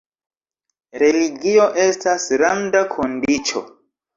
Religio estas randa kondiĉo.